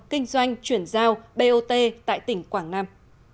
kinh doanh chuyển giao bot tại tỉnh quảng nam